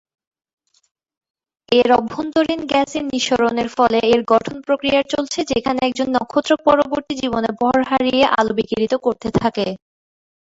এর অভ্যন্তরীন গ্যাসের নিঃসরণের ফলে এর গঠন প্রক্রিয়া চলছে যেখানে একজন নক্ষত্র পরবর্তী জীবনে ভর হারিয়ে আলো বিকিরিত করতে থাকে।